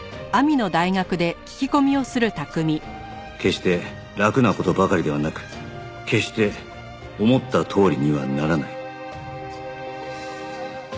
決して楽な事ばかりではなく決して思ったとおりにはならない